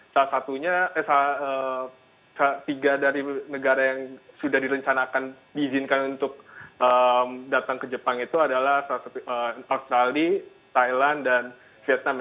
salah satunya tiga dari negara yang sudah direncanakan diizinkan untuk datang ke jepang itu adalah salah satu australia thailand dan vietnam